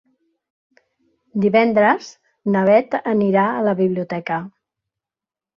Divendres na Beth anirà a la biblioteca.